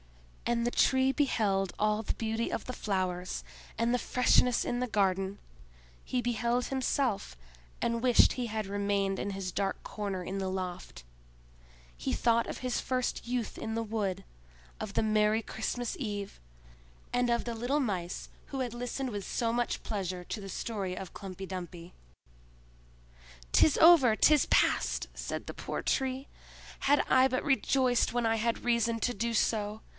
And the Tree beheld all the beauty of the flowers, and the freshness in the garden; he beheld himself, and wished he had remained in his dark corner in the loft: he thought of his first youth in the wood, of the Merry Christmas Eve, and of the little Mice who had listened with so much pleasure to the story of Humpy Dumpy. "'Tis over—'tis past!" said the poor Tree. "Had I but rejoiced when I had reason to do so!